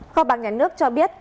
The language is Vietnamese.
kho bạc nhà nước cho biết